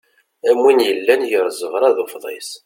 Am win yellan gar ẓẓebra d ufḍis.